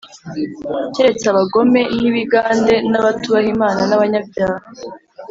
keretse abagome n’ibigande, n’abatubaha Imana n’abanyabyaha